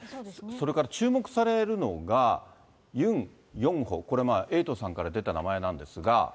それから注目されるのが、ユン・ヨンホ、これ、エイトさんから出た名前なんですが。